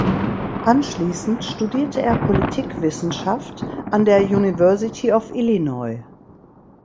Anschließend studierte er Politikwissenschaft an der "University of Illinois".